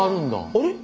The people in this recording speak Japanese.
あれ？